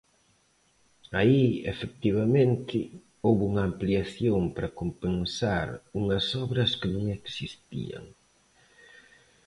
Aí, efectivamente, houbo unha ampliación para compensar unhas obras que non existían.